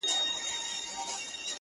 هغه چي ټوله ژوند کي چوپه خوله پاته دی;